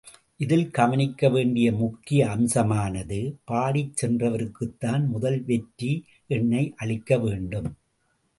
இதில் கவனிக்க வேண்டிய முக்கிய அம்சமானது, பாடிச் சென்றவருக்குத்தான் முதல் வெற்றி எண்ணை அளிக்க வேண்டும்.